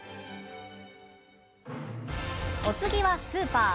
お次は、スーパー。